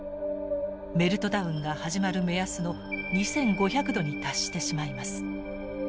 メルトダウンが始まる目安の２，５００℃に達してしまいます。